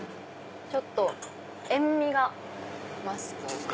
ちょっと塩味が増すというか。